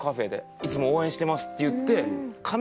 いつも応援してますって言って。